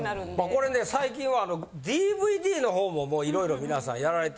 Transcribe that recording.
これね最近はあのＤＶＤの方ももう色々皆さんやられて。